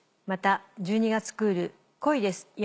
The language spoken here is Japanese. また１２月クール『恋です！